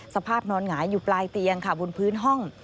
สภาพนอนหงายอยู่ปลายเตียงค่ะบนพื้นห้อง